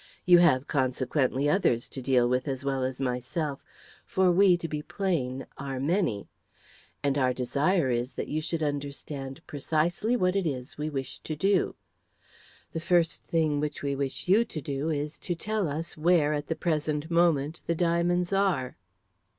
You have, consequently, others to deal with as well as myself, for we, to be plain, are many. And our desire is that you should understand precisely what it is we wish to do. The first thing which we wish you to do is to tell us where, at the present moment, the diamonds are?"